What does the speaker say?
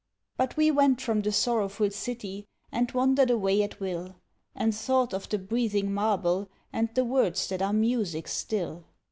But we went from the sorrowful city and wandered away at will, And thought of the breathing marble and the words that are music still.